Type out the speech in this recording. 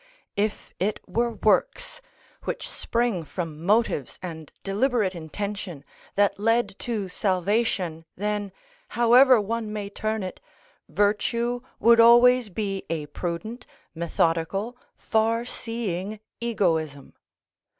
If it were works, which spring from motives and deliberate intention, that led to salvation, then, however one may turn it, virtue would always be a prudent, methodical, far seeing egoism.